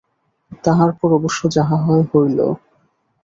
তাহার পর অবশ্য যাহা হয় হইল।